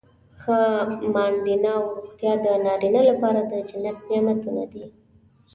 ښه ماندینه او روغتیا د نارینه لپاره د جنت نعمتونه دي.